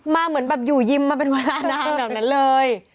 เหมือนแบบอยู่ยิมมาเป็นเวลานานแบบนั้นเลย